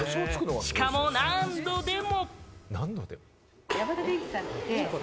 しかも何度でも。